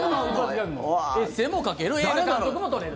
エッセーも書ける映画監督も撮れる。